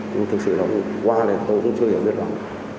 nhưng thực sự là qua này tôi cũng chưa hiểu biết lắm